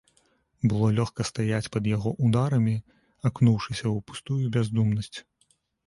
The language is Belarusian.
Было лёгка стаяць пад яго ўдарамі, акунуўшыся ў пустую бяздумнасць.